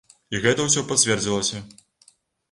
І гэта ўсё пацвердзілася.